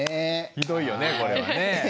ひどいよねこれはね。